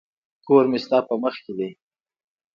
کور مي ستا په مخ کي دی.